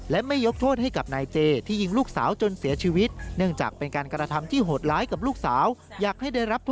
เห็นหน้า